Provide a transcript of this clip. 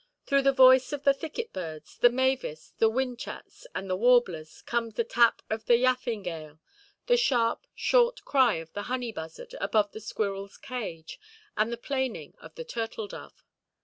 Through the voice of the thicket–birds—the mavis, the whinchats, and the warblers—comes the tap of the yaffingale, the sharp, short cry of the honey–buzzard above the squirrelʼs cage, and the plaining of the turtle–dove.